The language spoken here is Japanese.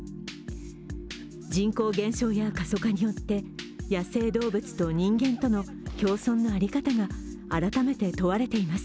人口減少や過疎化によって野生動物と人間との共存の在り方が改めて問われています。